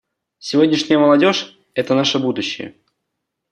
Сегодняшняя молодежь — это наше будущее.